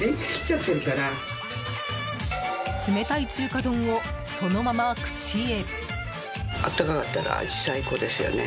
冷たい中華丼をそのまま口へ。